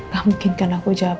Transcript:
tak mungkin kan aku jawab